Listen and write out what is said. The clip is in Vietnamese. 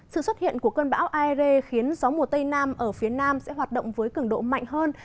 sự xuất hiện của cơn bão ae khiến gió mùa tây nam ở phía nam sẽ hoạt động với cường độ mạnh hơn